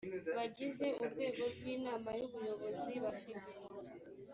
bagize urwego rw inama y ubuyobozi bafite